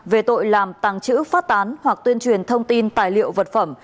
về tội làm tàng trữ phát tán hoặc tuyên truyền thông tin tài liệu vật phẩm